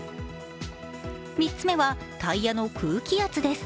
３つ目はタイやの空気圧です。